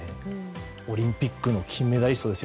オリンピックの金メダリストですよ。